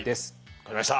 分かりました。